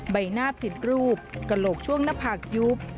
ใบหน้าผิดรูปกระโหลกช่วงหน้าผากยุบ